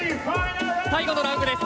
最後のラウンドです。